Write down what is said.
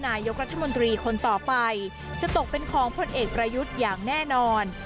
นายกรัฐมนตรีคนต่อไปจะตกเป็นของพลเอกประยุทธ์อย่างแน่นอน